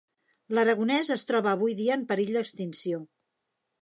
L'aragonès es troba avui dia en perill d'extinció.